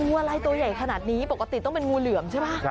งูอะไรตัวใหญ่ขนาดนี้ปกติต้องเป็นงูเหลือมใช่ไหม